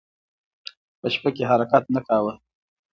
په شپه کې حرکت نه کاوه.